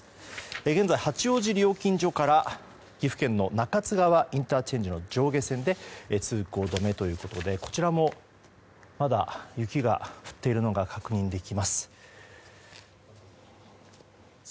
現在、八王子料金所から岐阜県の中津川ＩＣの上下線で通行止めということでこちらもまだ雪が降っているのが確認できます。